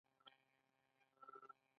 د آتش فشان لاوا بهر کوي.